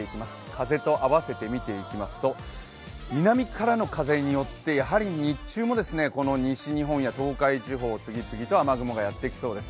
風とあわせて見ていきますと南からの風によって日中も西日本や東海地方に次々と雨雲がやって来そうです。